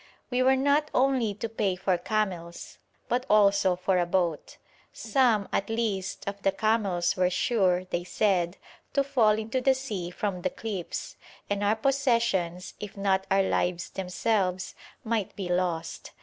We were not only to pay for camels, but also for a boat. Some, at least, of the camels were sure, they said, to fall into the sea from the cliffs, and our possessions, if not our lives themselves, might be lost.